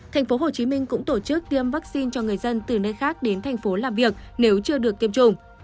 tp hcm cũng tổ chức tiêm vaccine cho người dân từ nơi khác đến thành phố làm việc nếu chưa được tiêm chủng